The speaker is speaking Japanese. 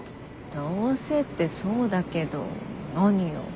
どうせってそうだけど何よ？